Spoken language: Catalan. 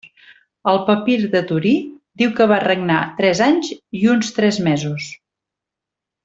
El papir de Torí diu que va regnar tres anys i uns tres mesos.